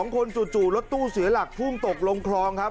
๒คนจู่รถตู้เสียหลักพุ่งตกลงคลองครับ